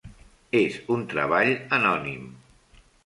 És un treball anònim.